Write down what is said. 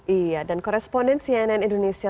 iya dan korespondensi ann indonesia